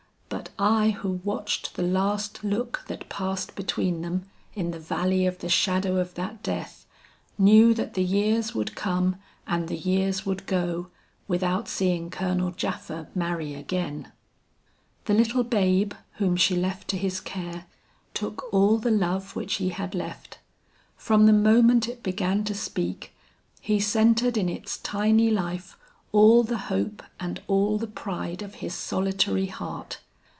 But I who watched the last look that passed between them in the valley of the shadow of that death, knew that the years would come and the years would go without seeing Colonel Japha marry again. "The little babe whom she left to his care, took all the love which he had left. From the moment it began to speak, he centered in its tiny life all the hope and all the pride of his solitary heart.